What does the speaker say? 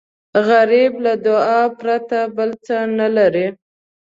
غریب له دعا پرته بل څه نه لري